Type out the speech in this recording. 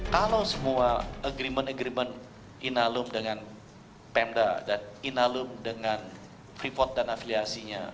kalau semua agreement agreement inalum dengan pemda dan inalum dengan freeport dan afiliasinya